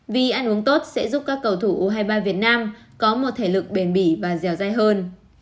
vì ăn uống tốt sẽ giúp các cầu thủ u hai mươi ba việt nam có một thể lực bền bỉ và dẻo dai hơn